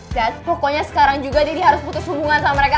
dan pokoknya sekarang juga daddy harus putus hubungan sama mereka